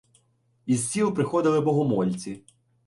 Із сіл приходили богомольці.